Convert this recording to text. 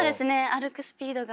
歩くスピードが。